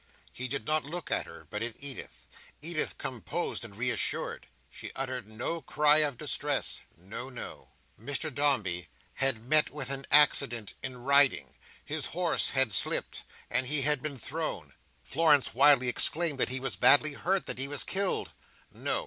He did not look at her, but at Edith. Edith composed and reassured her. She uttered no cry of distress. No, no. Mr Dombey had met with an accident in riding. His horse had slipped, and he had been thrown. Florence wildly exclaimed that he was badly hurt; that he was killed! No.